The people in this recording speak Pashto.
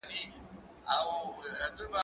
زه بايد سپينکۍ پرېولم؟!